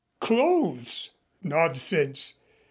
"Clothes." "Nonsense.